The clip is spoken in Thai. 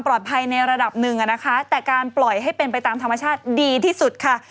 ในระดับหนึ่งอ่ะนะคะแต่การปล่อยให้เป็นไปตามธรรมชาติดีที่สุดค่ะ